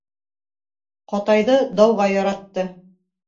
Ҡатайҙы дауға яратты